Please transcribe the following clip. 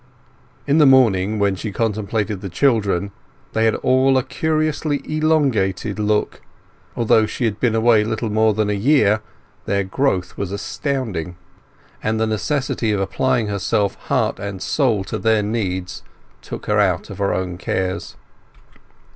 In the morning, when she contemplated the children, they had all a curiously elongated look; although she had been away little more than a year, their growth was astounding; and the necessity of applying herself heart and soul to their needs took her out of her own cares.